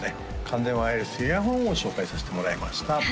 完全ワイヤレスイヤホンを紹介させてもらいました